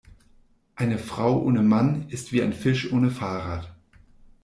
Eine Frau ohne Mann ist wie ein Fisch ohne Fahrrad.